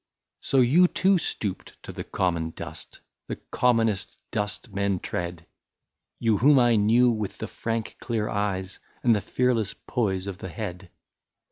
" So you too stooped to the common dust, — The commonest dust men tread ; You whom I knew with the frank clear eyes, And the fearless poise of the head